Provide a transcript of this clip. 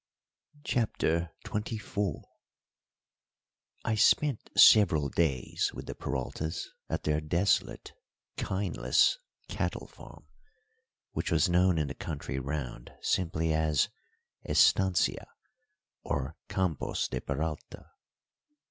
CHAPTER XXIV I spent several days with the Peraltas at their desolate, kineless cattle farm, which was known in the country round simply as Estancia or _Campos de Peralta.